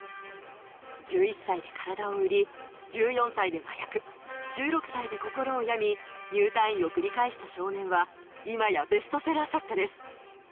１１歳で体を売り、１４歳で麻薬、１６歳で心を病み、入退院を繰り返した少年は、今やベストセラー作家です。